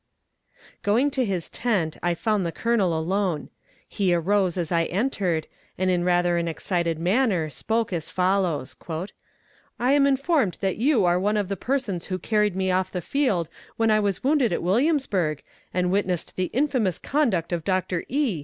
Going to his tent I found the colonel alone. He arose as I entered, and in rather an excited manner spoke as follows: "I am informed that you are one of the persons who carried me off the field when I was wounded at Williamsburg, and witnessed the infamous conduct of Doctor E.